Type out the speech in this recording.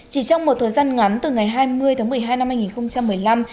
chỉ trong một thời gian ngắn từ ngày hai mươi tháng một mươi hai năm hai nghìn một mươi năm